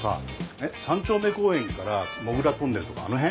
三丁目公園からもぐらトンネルとかあの辺？